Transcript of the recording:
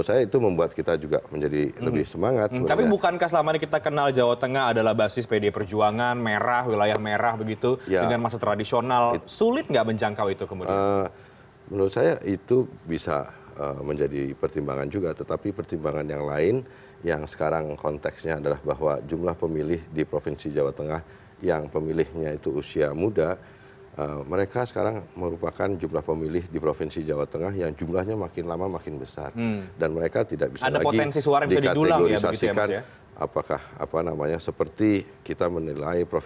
sebelumnya prabowo subianto